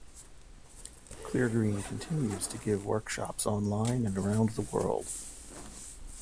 Cleargreen continues to give workshops online and around the world.